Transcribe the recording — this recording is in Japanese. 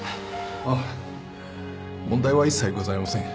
あっ問題は一切ございません。